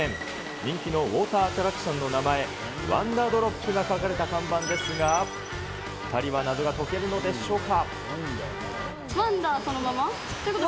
人気のウォーターアトラクションの名前、ＷｏｎｄｅｒＤｒｏｐが書かれた看板ですが、２人は謎が解けるのでしょうか。